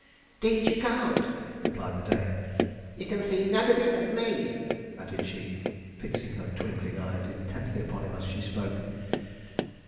''Deed you can't,' replied the dame 'ye can see nebody but me,' added she, fixing her twinkling eyes intently upon him as she spoke.